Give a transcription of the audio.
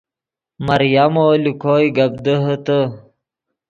مریمو لے کوئے گپ دیہے تے